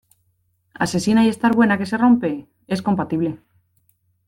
asesina y estar buena que se rompe? es compatible.